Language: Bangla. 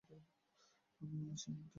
আমি ওই মিশনটা শেষ করতে চাই।